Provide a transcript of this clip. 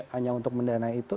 hanya untuk mendana itu